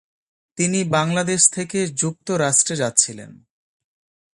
তিনি বাংলাদেশ থেকে যুক্তরাষ্ট্রে যাচ্ছিলেন।